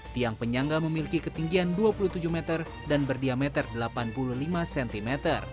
tiang penyangga memiliki ketinggian dua puluh tujuh meter dan berdiameter delapan puluh lima cm